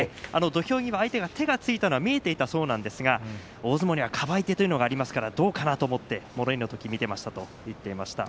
土俵際、相手が手をついたのは見えていたそうなんですが大相撲にはかばい手というものがあるので、どうかと物言いのとき見ていたと話しています。